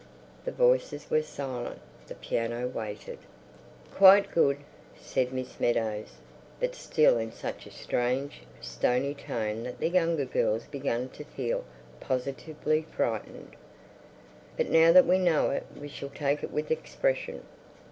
The voices were silent; the piano waited. "Quite good," said Miss Meadows, but still in such a strange, stony tone that the younger girls began to feel positively frightened. "But now that we know it, we shall take it with expression.